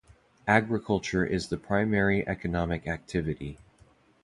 Agriculture is the primary economic activity.